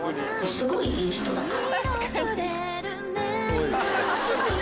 すごいいい人だから。